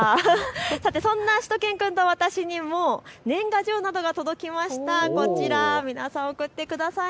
さて、そんなしゅと犬くんと私にも年賀状などが届きました。